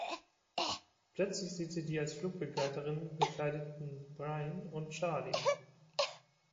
Plötzlich sieht sie die als Flugbegleiterinnen verkleideten Brian und Charlie.